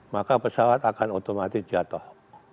maka pesawat akan otomatis jatuh